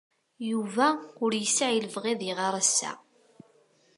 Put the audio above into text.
Yuba ur yesɛi lebɣi ad iɣer ass-a.